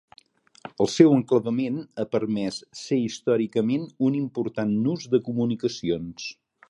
El seu enclavament ha permès ser històricament un important nus de comunicacions.